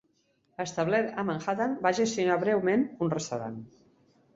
Establert a Manhattan, va gestionar breument un restaurant.